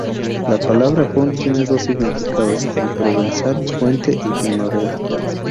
La palabra "font" tiene dos significados en provenzal, "fuente" y "primavera".